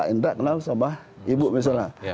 indra kenal sama ibu misalnya